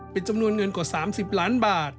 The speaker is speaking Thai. เป็นจำนวนเงินกว่า๓๐ล้านบาท